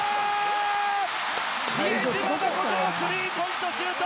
比江島、ここでスリーポイントシュート！